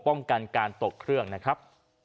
ป้องกันการตกเครื่องนะครับ